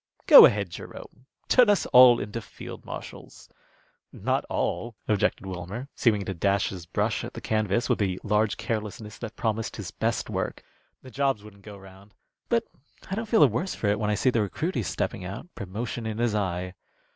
"Go ahead, Jerome. Turn us all into field marshals." "Not all," objected Wilmer, seeming to dash his brush at the canvas with the large carelessness that promised his best work. "The jobs wouldn't go round. But I don't feel the worse for it when I see the recruity stepping out, promotion in his eye."